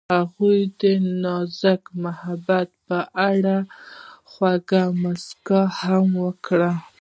هغې د نازک محبت په اړه خوږه موسکا هم وکړه.